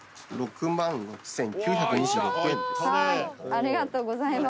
ありがとうございます。